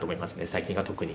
最近は特に。